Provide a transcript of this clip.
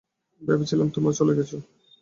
ভেবেছিলাম তোমরা চলে গেছো।